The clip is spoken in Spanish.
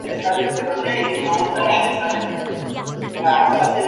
Los asistentes recibieron boletos y, en algunos casos, reembolsos por los gastos añadidos.